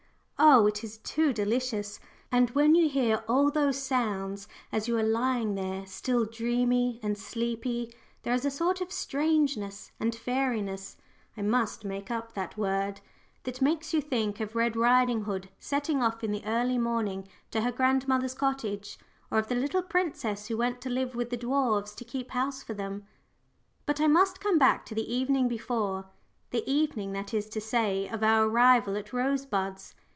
Oh, it is too delicious and when you hear all those sounds, as you are lying there still dreamy and sleepy, there is a sort of strangeness and fairy ness I must make up that word that makes you think of Red Riding hood setting off in the early morning to her grandmother's cottage, or of the little princess who went to live with the dwarfs to keep house for them. But I must come back to the evening before the evening, that is to say, of our arrival at Rosebuds.